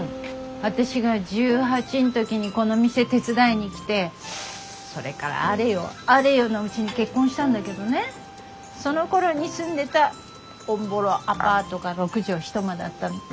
私が１８ん時にこの店手伝いに来てそれからあれよあれよのうちに結婚したんだけどねそのころに住んでたおんぼろアパートが６畳一間だったの。